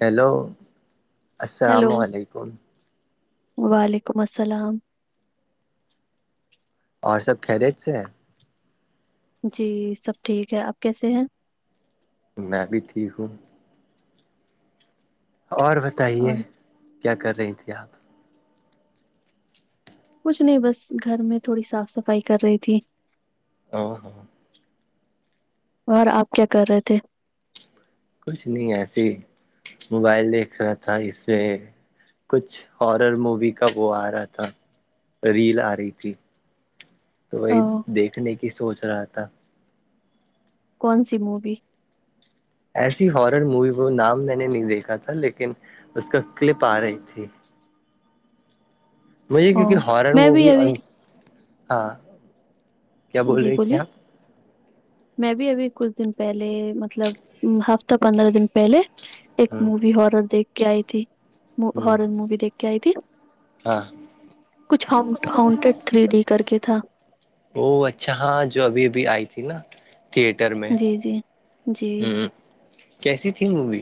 hello السلام hello علیکم وعلیکم السلام اور سب خیریت سے ہیں جی سب ٹھیک ہے آپ کیسے ہیں میں بھی ٹھیک ہوں اور بتائیے اور کیا کر رہی تھی آپ کچھ نہیں بس گھر میں تھوڑی صاف صفائی کر رہی تھی اور اور آپ کیا کر رہے تھے کچھ نہیں ایسے ہی موبائل دیکھ رہا تھا اس سے کچھ ہارر مووی کا وہ آ رہا تھا ریل آ رہی تھی تو وہی اوہ، دیکھنے کی سوچ رہا تھا کون سی مووی ایسے ہی ہارر مووی وہ نام میں نے نہیں دیکھا تھا لیکن اس کا کلپ آ رہی تھی وہی کیونکہ اوہ، ہارر میں بھی مووی ابھی ہاں کیا بول جی رہی تھی بولیے آپ میں بھی ابھی کچھ دن پہلے مطلب ہفتہ پندرہ دن پہلے ایک ہ مووی ہارر دیکھ کے آئی تھی ہ ہارر مووی دیکھ کے آئی تھی ہاں کچھ ہونٹیڈ تھری ڈی کر کے تھا او اچھا ہاں جو ابھی ابھی آئی تھی نا تئیٹر میں جی جی جی ہوں کیسی تھی مووی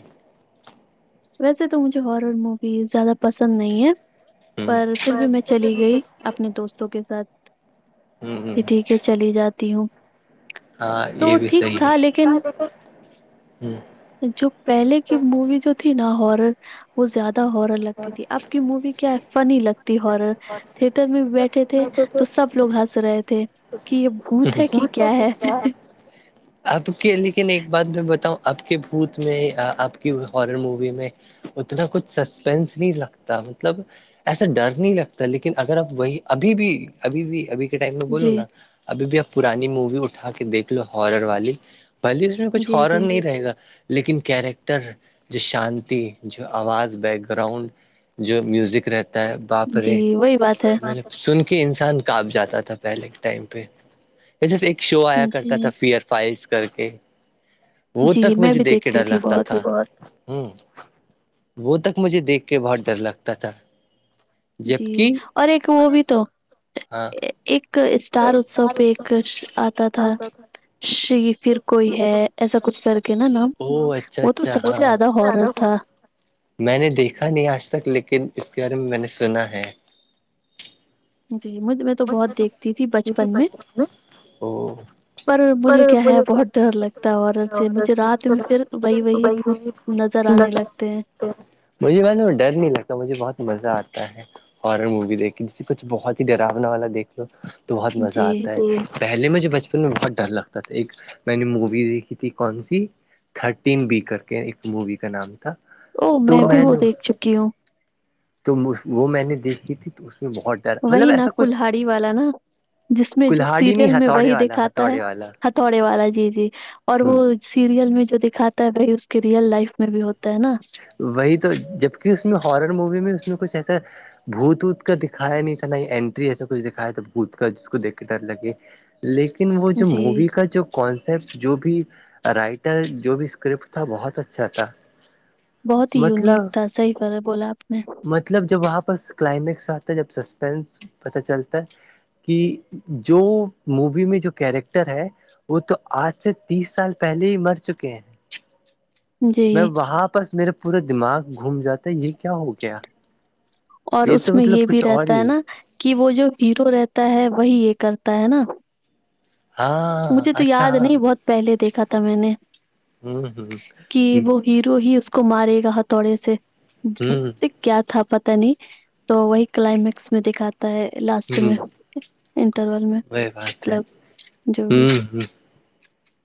ویسے تو مجھے ہارر مووی زیادہ پسند نہیں ہے ہ پر پھر بھی میں چلی گئی اپنے دوستوں کے ساتھ ہ ہ ٹھیک ہے چلی جاتی ہوں ہاں تو یہ بھی ٹھیک سی ہے تھا لیکن ہ [unintelligible] جو پہلے کی مووی جو تھی نا ہارر وہ زیادہ ہارل لگتی تھی آپ کی مووی کیا ہے فنی لگتی ہر تھیٹر میں بیٹھے تھے تو سب لوگ ہنس رہے تھے کہ یہ پھوت ہے کہ کیا ہے ج [unintelligible] آپ کے لیکن ایک بات میں بتاؤں آپ کے بھوت میں آپ کی ہارر مووی میں اتنا کچھ سسپینس نہیں لگتا مطلب ایا ڈر نہیں لگتا لیکن اگر آپ وہی ابھی بھی ابھی بھی ابھی کے ٹائم میں بولو جی نا ابھی بھی اب پرانی مووی اٹھا کے دیکھ لو ہارر والی بھلی اس میں کچھ جی ہارن جی نہیں رہے گا لیکن کیریکٹر جو شانتی جو آواز بیک گراؤنڈ جو میوزک رہتا ہے باپ رے جی وہی بات ہے سن کے انسان کاانپ جاتا تھا پہلے کے ٹائم پہ صرف ایک شو آیا کرتا جی تھا فیئر فائلس کر کے وہ جی تک میں مجھے بھی دیکھ کے دیکھتی ڈر تھی لگتا بہت تھا ہوں وہ تک مجھے دیکھ کے بہت ڈر لگتا تھا جی جبک اور ایک وہ بھی تو ہاں ایک اسٹار اتسو پہ ایک آتا تھا شی پھر کوئی ہے ایسا کچھ کر کے نا نا او اچھا وہ تو اچھا سب سے ہاں زیادہ ہارر تھا میں نے دیکھا نہیں آج تک لیکن اس کے بارے میں میں نے سنا ہے جی مجھ میں تو بہت دیکھتی تھی بچپن میں او [unintelligible] پر مجھے کیا ہے بہت ڈر لگتا ہے اور سے مجھے رات میں پھر وہی وہی بھت نظر آنے لگتے ہیں مجھے ڈر نہیں لگتا مجھے بہت مزہ آتا ہے ہارر مووی دیکھی جسے کچھ بہت ہی ڈرونا والا دیکھ لو تو بہت مزہ جی آتا ہے پہلے مجھے بچپن میں بہت ڈر لگتا تھا ایک میں نے مووی دیکھی تھی کون سی [unintelligible] تھرٹین بی کر کے ایک مووی کا نام تھا او تو بھی میں وہ نے دیکھ چکی ہوں تو وہ میں نے دیکھی تھی تو اس میں بہت ڈر مطلب ایسا کچھ کلہلہاڑی والا نا جس میں جو کلہاڑی نہیں سیریل میں ہتھوڑے وہی والا دکھاتا ہے ہتھوڑے والا [unintelligible] ہتھوڑے والا جی جی اور وہ ہ سیریل میں جو دکھاتا ہے وہی اس کے ریئل لائف میں بھی ہوتا ہے نا وہی تو جبک اس میں ہارر مووی میں اس میں کچھ ایسا بھوت ووت کا دکھایا نہیں تھا ن اینٹری ایسا کچھ دکھایا تو بھوت کا جس کو دیکھ کے ڈر لگے [unintelligible] لیکن وہ جو جی مووی کا جو کانسیپٹ جو بھی رائٹر جو بھی اسکرپٹ تھا بہت اچھا تھا بہت ہی یونک مطلب تھا صحیح فح بولا آپ نے مطلب جب وہاں پر کلائمیکس آتا ہے جب سسپینس پتا چلتا ہے کہ جو مووی میں جو کیریکٹر ہے وہ تو آج سے تیس سال پہلے ہی مر چکے ہیں جی میں وہاں پرس میرا پورا دماغ گھوم جاتا ہے یہ کیا ہو گیا اور اس تو میں مطلب یہ بھی کچھ اور رہتا ہے ہی نا کہ وہ جو ہیرو رہتا ہے وہی یہ کرتا ہے نا- ہاں مجھے تو اچھا یاد نہیں ہاں بہت پہلے دیکھا تھا میں نے ہ کہ ہ وہ ہیر ہی اس کو مارے گا ہتھڑے ہ سے- کیا تھا پت نہیں تو وہی کلائمیکس میں دکھاتا ہے لاسٹ ہ میں انٹرول میں وہی بات ہے مطلب جو بھی ہ ہ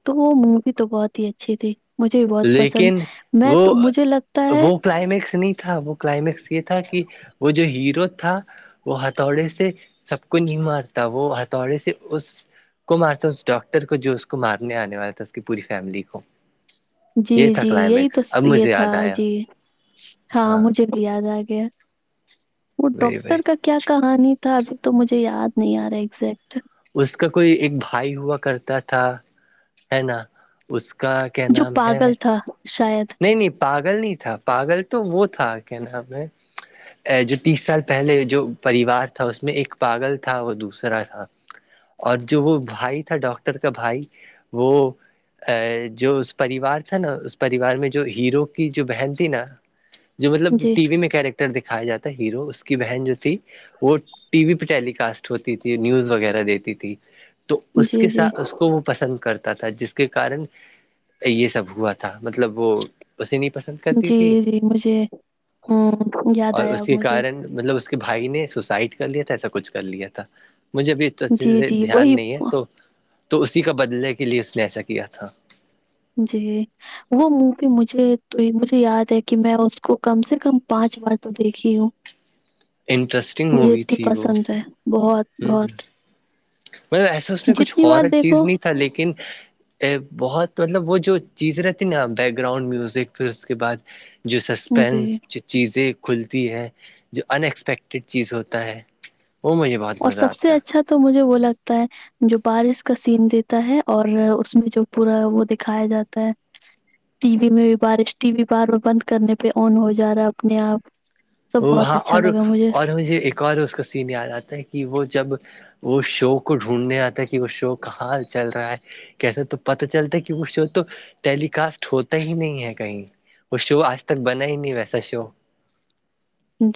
تو وہ مووی تو بہت ہی اچھی تھی مجھے بہت پسند لیکن میں وہ تو مجھے لگتا ہے وہ کلائمیکس نہیں تھا وہ کلائمیکس یہ تھا کہ وہ جو ہیرو تھا- وہ ہتھوڑے سے سب کو نہیں مارتا وہ ہتھڑے سے اس- کو مارتا اس ڈاکٹر کو جو اس کو مارنے آنے والا تھا اس کی پوری فیملی کو- یہ جی- تھا جی یہی تو کلائمیکس اب یہ مجھے تھا یاد آیا جی ہاں مجھے- یاد آ گیا وہ وہی وہی ڈاکٹر کا کیا- کہانی تھا ابھی تو مجھے یاد نہیں آ رہا ہے ایزیکٹ- اس کا کوئی ایک بھائی ہوا کرتا تھا ہے نا اس کا- جو پاگل تھا شاید نہیں-نہیں پاگل نہیں تھا پاگل تو وہ تھا کیا نام ہے ا جو تیس سال پہلے جو پریوار تھا اس میں ایک پاگل تھا وہ دوسرا تھا- اور جو وہ بھائی تھا ڈاکٹر کا بھائی وہ- ا جو اس پریوار تھا نا اس- بار میں جو ہیرو کی جو بہن تھی نا جو مطلب جی، ٹی وی میں کیریکٹر- دکھایا جاتا ہے ہیرو اس کی بہن جو تھی- وہ ٹی وی پہ ٹیلی کاسٹ ہوتی تھی نیوز وغیرہ دیتی تھی- تو اس جی، کے جی، ساتھ اس کو وہ پسند کرتا تھا جس کے کارن یہ سب ہوا تھا- مطلب وہ اسے نہیں پسند کرتی جی، تھی جی مجھے امم، یاد اور آیا اس اب کے مجھے کارن- مطلب اس کے بھائی نے سسائڈ کر لیا تھا ایسا کچھ کر لیا تھا مجھے اب- اھے جی، سے جی دھیان وہی نہیں ہے تو تو اسی کا بدلنے کے لیے اس نے ایسا کیا تھا- جی وہ مووی مجھے- تو یہ مجھے یاد ہے کہ میں اس کو کم سے کم پانچ بار تو دیکھی ہوں- انٹرسٹنگ مجھے مووی اتنی تھی وہ پسند ہے بہت- بہت- مطل ایسا اس میں کچھ جتنی بار اورور چیز دیکھو نہیں تھا لیکن- ا بہت مطلب وہ جو چیزیں رہتی نا بیک گراؤنڈ میوزک پھر اس کے بعد- جو جی سسپینس چیزیں کھلتی ہے جو ان ایکسپیکٹیڈ چیز ہوتا ہے وہ مجھے- بہت اور مزہ سب آتا سے ہے اچھا تو مجھے وہ لگتا ہے- جو بارش کا سین دیتا ہے اور اس میں جو پورا وہ دکھایا جاتا ہے- ٹی وی میں بھی بارش ٹی وی بارار بند کرنے پہ آن ہو جا رہا ہے اپنے آپ- سب وہ بہت ہاں اچھا اور لگا اور مجھے ایک اور اس کا سین یاد آتا ہے کہ وہ جب- وہ شوق کو ڈھونڈھنے آتا ہے کہ وہ شو کا حال چل رہا ہے- کیسے تو پتا چلتا ہے کہ وہ شو تو ٹیلی کاسٹ ہوتا ہی نہیں ہے کہیں- وہ شو آج تک بنا ہی نہیں ویسا شو-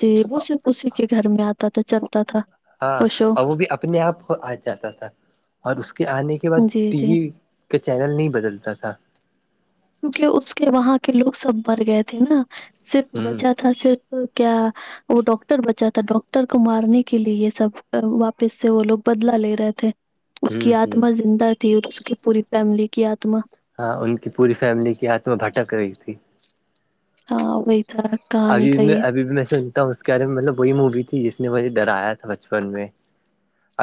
جی وہ صرف اسی کے گھر میں آتا تھا چلتا تھا- ہاں اور وہ بھی اپنے آپ کو آ جاتا تھا اور اس کے آنے کے بعد جی ٹی جی وی- کے چینل نہیں بدلتا تھا- کیونکہ اس کے وہاں کے لوگ سب مر گئے تھے نا صرف ہوں بچا تھا صرف کیا- وہ ڈاکاکٹر بچا تھا ڈاکٹر کو مارنے کے لیے یہ سب واپس سے وہ لوگ بدلا لے رہے تھے- اس ہوں کی ہ آتما زندہ تھی اور اس کی پوری فیملی کی آتما ہاں ان کی پوری فیملی کی آاتما بھٹک رہی تھی ہاں وہی تھا کہانی ابھی کا میں یہ ابھی میں سنتا ہوں اس کےارے میں مطلب وہی مووی تھی جس نے مجھے ڈرایا تھا بچپن میں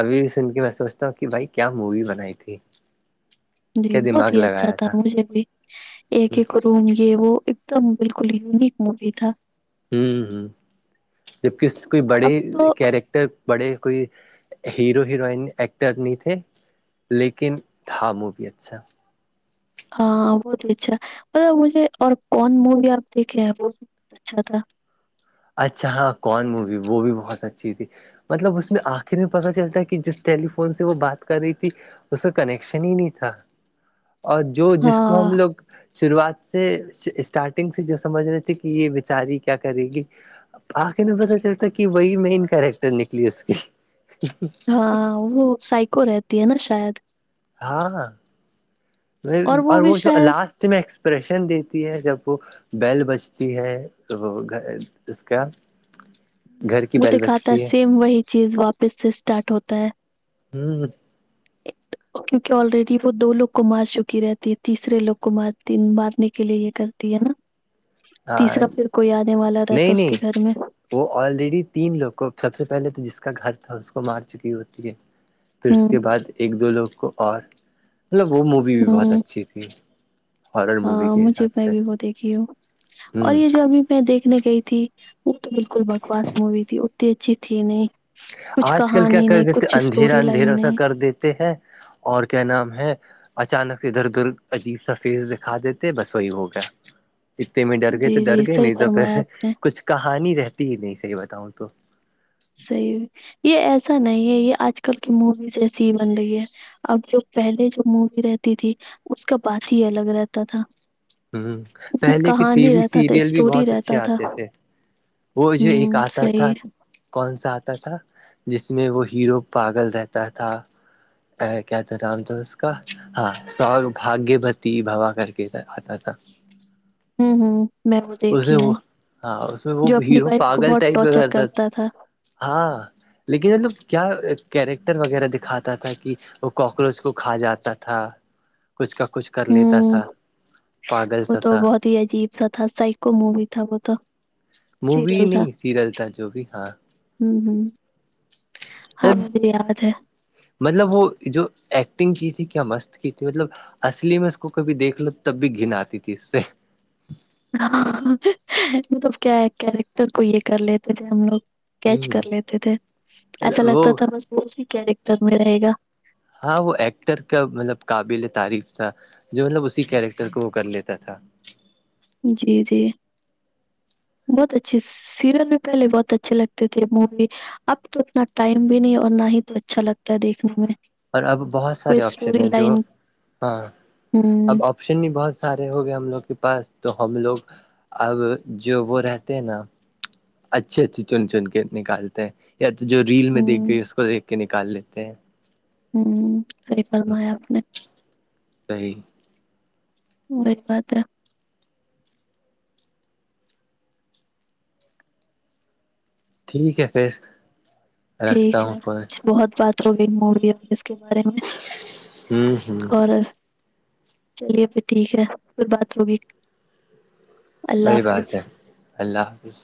ابھی بھی سن کے میں سوچتا ہوں کہ بھائی کیا مووی بنائی تھی جی کیا بہت دماغ ہی اچھا لگایا تھا مجھے بھی ایک ہ ایک روم یہ وہ ایک دم بالکل یونک مووری تھا ہوں ہ جبک اس کوئی بڑے اب تو کیریکٹر- بڑے کوئی ہیرو ہیروئن ایکٹر نہیں تھے- لیکن تھا وہ بھیی اچھا ہاں بہت اچھا مطب مجھے اور کون مووی آپ دیکھے ہیں وہ بھی اچھا تھا اچھا ہاں کون مووی وہ بھی بہت اچھی تھی مطلب اس میں آخر میں پتہ چلتا ہے کہ جس ٹیلیفون سے وہ بات کر رہی تھی اس کا کنیکشن ہی نہیں تھا اور جو جس کو ہاں ہم لوگ شروعات سے اسٹارٹنگ سے جو سمجھ رہے تھے کہ یہ بیچاری کیا کرے گی آخر میں پتاہ چلتا کہ وہی مین کیریکٹر نکلی اس کی ہاں وہ سائیکو رہتی ہے نا شاید ہاں اور وہ جو لاسٹ میں ایکسپریشن دیتی ہے جب وہ بیل بجتی ہے وہ گھر اس کا گھر کی وہ بیل دکھاتا ہے بجتی سیم وہی چیز واپس سے اسٹارٹ ہوتا ہے ہوں [inaudible] کیوںکہ آلریڈی وہ دو لوگ کو مار چکی رہتی ہے تیسرے لوگ کو مارتی مارنے کے لیے یہ کرتی ہے نا ہاں تیسرا پھر کوئی آنے والا رہتا نہیں اس نہیں کے گھر میں وہ آلریڈی تین لوگ کو سب سے پہلے تو جس کا گھر تھا اس کو مار چکی ہوتی ہے پھر اس ہوں کے بعد ایک دو لوگ کو اور مطلب وہ مووی بھی بہت ہوں اچھی تھی ہارر مووی ہاں کے مجھے حساب میں سے بھی وہ دیکھی ہوں اور ہوں یہ جو ابھی میں دیکھنے گئی تھی وہ تو بالکل بکواس مووی تھی اتنی اچھی تھی نہیں کچھ آج کل کیا کہانی کر نہیں دیتے کچھ اندھیرا اسٹوری اندھیرا لائن سا نہیں کر دیتے ہیں اور کیا نام ہے اچانک سے ادھر ادھر عجیب سفیز دکھا دیتے بس وہی ہو گیا انے میں ڈر گئے جی تو ڈر جی گئے صحیح نہیں تو فرمایا پھر آپ نے کچھ کہانی رہتی ہی نہیں صحیح بتاؤں تو صحیح یہ ایسا نہیں ہے یہ آج کل کی موویز ایسی ہی بن رہی ہے اب جو پہلے جو مووی رہتی تھی اس کا بات ہی الگ رہتا تھا ہ اس میں پہلے کے ٹی کہانی وی رہتا تھا سیریل بھی اسٹوری بہت اچھے رہتا تھا آتے تھے وہ جو ایک ہوں آتا تھا صحیح کون سا آتا تھا جس میں وہ ہیرو پاگل رہتا تھا کیا تھا نام اس کا ہاں س بھاگیہوتی بوا کر کے آتا تھا ہاں [inaudible] ہ ہ میں وہ دیکھی ہوں ہاں اس میں وہ جو اپنی ہیرو وائف کو پاگل بہت ٹائپ کا ٹارچر کرتا تھا ہاں لیکن مطلب کیا کیریکٹر وغیرہ دکھاتا تھا کہ وہ کاکروچ کو کھا جاتا تھا کچھ کا کچھ کر لیتا ہوں تھا پاگل وہ سا تو تھا بہت عجیب سا تھا سائیکو مووی تھا وہ تو مووی نہیں سیریل تھا جو بھی ہاں ہ ہ ہاں مجھے یاد ہے مطلب وہ جو ایکٹنگ کی تھی کیا مست کی تھی مطلب اصلی میں اس کو کبھی دیکھ لو تب بھی گن آتی تھی اس سے ہاں مطلب کیا ہے کیریکٹر کو یہ کر لیتے تھے ہم لوگ کیچ ہ کر لیتے تھے ایسا وہ لگتا تھا بس وہ اسی کیریکٹر میں رہے گا ہاں وہ ایکٹر کا مطلب قابل تعریف تھا جو مطلب اسی کیریکٹر کو وہ کر لیتا تھا جی جی بہت اچھے سیریل میں پہلے بہت اچھے لگتے تھے م بھی [unintelligible] اب تو اتنا ٹائم بھی نہیں اور نہ ہی تو اچھا لگتا ہے دیکھنے میں اور اب بہت کوئی سارے آپشن اسٹوری ہیں جو لائن ہاں ہوں اب آپ آپشن ہی بہت سارے ہو گئے ہم لوگ کے پاس تو ہم لوگ اب جو وہ رہتے ہیں نا اچھی اچھی چن چن کے نکالتے ہیں یا تو جو ریل میں دیکھ ہوں گئی اس کو دیکھ کے نکال لیتے ہیں ہوں سی فرمیا آپ نے صی [unintelligible] بری بات ٹھیک ہے پھر رکھتا ٹھیک ہے ہوں فون بہت بات ہو گئی مووی اس کے بارے میں ہوں ہوں اور چلیے پھر ٹھیک ہے پھر بات ہوگی اللہ صحی بات حافظ ہے اللہ حافظ